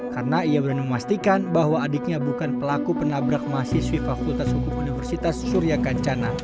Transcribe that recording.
karena ia berani memastikan bahwa adiknya bukan pelaku penabrak mahasiswi fakultas hukum universitas surya kancana